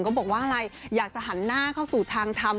บอกว่าอะไรอยากจะหันหน้าเข้าสู่ทางทำ